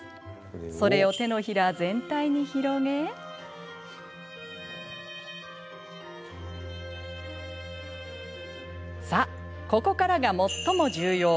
それを手のひら全体に広げさあ、ここからが最も重要。